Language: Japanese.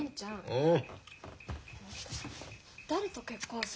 うん。